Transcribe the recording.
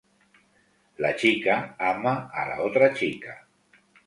La chica ama a la otra chica.